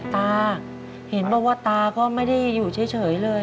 ตาเห็นบอกว่าตาก็ไม่ได้อยู่เฉยเลย